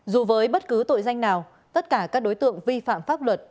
dù với bất cứ tội danh nào tất cả các đối tượng vi phạm pháp luật